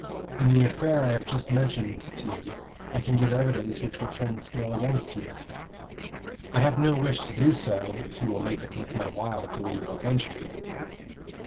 In the affair I have just mentioned to you I can give evidence which will turn the scale against you. I have no wish to do so, if you will make it worth my while to leave the country."